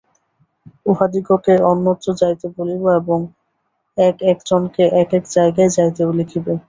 উহাদিগকে অন্যত্র যাইতে বলিবে এবং এক এক জনকে এক এক জায়গায় যাইতে লিখিবে।